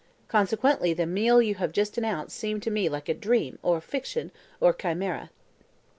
Consequently, the meal you have just announced seemed to me like a dream, or fiction, or chimera."